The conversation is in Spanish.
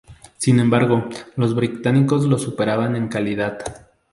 Sin embargo, los británicos los superaban en calidad.